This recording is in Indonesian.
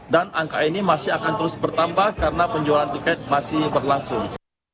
dan angka ini masih akan terus bertambah karena penjualan tiket masih berlangsung